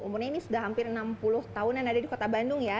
umurnya ini sudah hampir enam puluh tahunan ada di kota bandung ya